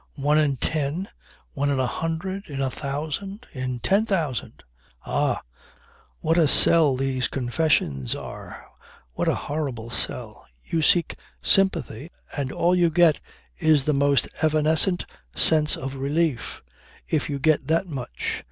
One in ten, one in a hundred in a thousand in ten thousand? Ah! What a sell these confessions are! What a horrible sell! You seek sympathy, and all you get is the most evanescent sense of relief if you get that much.